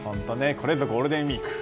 これぞゴールデンウィーク。